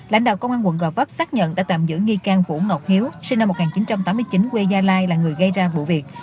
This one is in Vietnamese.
lãnh đạo công an quận gò vấp xác nhận đã tạm giữ nghi can vũ ngọc hiếu sinh năm một nghìn chín trăm tám mươi chín quê gia lai là người gây ra vụ việc